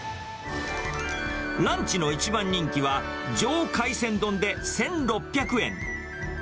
ランチの一番人気は、上海鮮丼で１６００円。